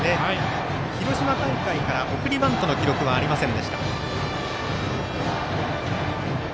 広島大会から送りバントの記録はありません。